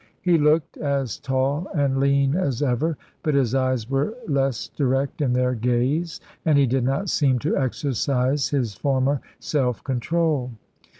He looked as tall and lean as ever, but his eyes were less direct in their gaze, and he did not seem to exercise his former self control.